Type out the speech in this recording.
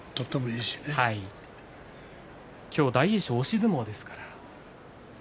今日、大栄翔は押し相撲ですから。